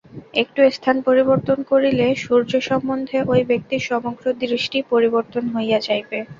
একটু স্থান-পরিবর্তন করিলে সূর্য সম্বন্ধে ঐ ব্যক্তির সমগ্র দৃষ্টি পরিবর্তন হইয়া যাইবে।